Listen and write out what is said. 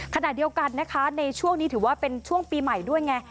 ขณะเดียวกันนะคะในช่วงนี้ถือว่าเป็นช่วงปีใหม่ด้วยไง